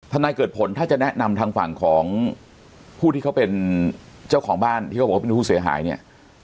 นายเกิดผลถ้าจะแนะนำทางฝั่งของผู้ที่เขาเป็นเจ้าของบ้านที่เขาบอกว่าเป็นผู้เสียหายเนี่ย